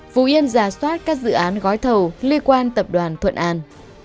phú yên giả soát các dự án gói thầu liên quan tập đoàn thuận an